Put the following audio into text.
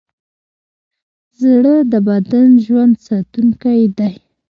زړه د بدن د ژوند ساتونکی دی.